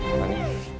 eh apaan ini